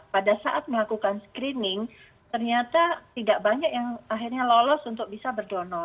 pada saat melakukan screening ternyata tidak banyak yang akhirnya lolos untuk bisa berdonor